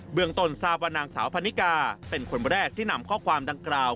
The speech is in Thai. เมืองต้นทราบว่านางสาวพันนิกาเป็นคนแรกที่นำข้อความดังกล่าว